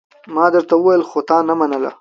ما درته وويل خو تا نه منله!